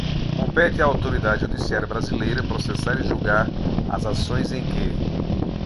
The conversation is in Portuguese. Compete à autoridade judiciária brasileira processar e julgar as ações em que: